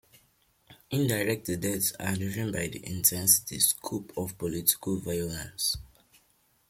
Indirect deaths are driven by the intensity and scope of political violence.